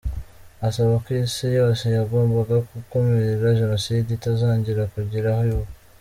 Asaba ko isi yose yagombye gukumira genocide itazangera kugira aho iba.